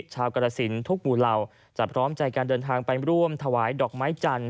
กรสินทุกหมู่เหล่าจะพร้อมใจการเดินทางไปร่วมถวายดอกไม้จันทร์